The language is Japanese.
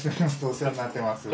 お世話になってます。